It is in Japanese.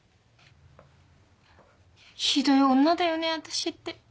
ひどい女だよね私って。